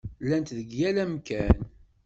Llant deg yal amkan.